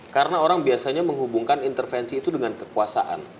karena orang biasanya menghubungkan intervensi itu dengan kekuasaan